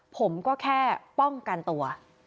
ผมก็แค่ป้องกันตัว